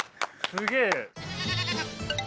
すげえ。